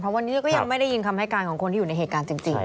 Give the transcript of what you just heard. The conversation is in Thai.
วันนี้ก็ยังไม่ได้ยินคำให้การของคนที่อยู่ในเหตุการณ์จริง